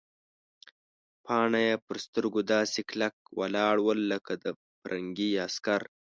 باڼه یې پر سترګو داسې کلک ولاړ ول لکه د پرنګي عسکر.